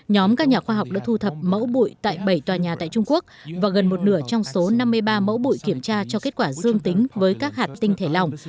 nhóm các nhà khoa học đã thu thập mẫu bụi tại bảy tòa nhà tại trung quốc và gần một nửa trong số năm mươi ba mẫu bụi kiểm tra cho kết quả dương tính với các hạt tinh thể lỏng